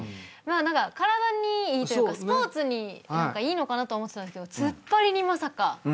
体にいいというかスポーツにいいのかなとは思ってたんですけど突っ張りにまさか。